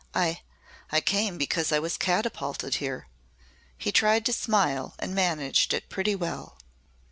I I came because I was catapulted here." He tried to smile and managed it pretty well.